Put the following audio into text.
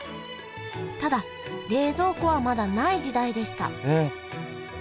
ただ冷蔵庫はまだない時代でしたええ。